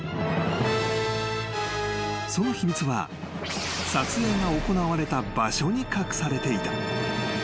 ［その秘密は撮影が行われた場所に隠されていた］